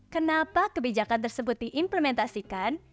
kenapa kebijakan tersebut diimplementasikan